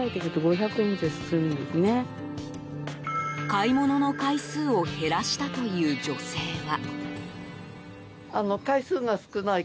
買い物の回数を減らしたという女性は。